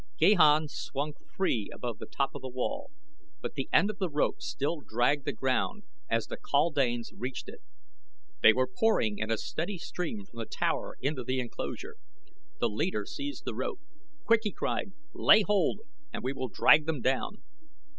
Gahan swung free above the top of the wall, but the end of the rope still dragged the ground as the kaldanes reached it. They were pouring in a steady stream from the tower into the enclosure. The leader seized the rope. "Quick!" he cried. "Lay hold and we will drag them down."